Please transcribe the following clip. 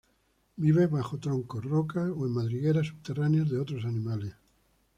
Vive bajo troncos, rocas o en madrigueras subterráneas de otros animales.